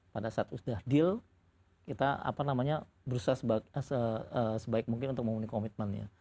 pada saat sudah deal kita berusaha sebaik mungkin untuk memiliki komitmen ya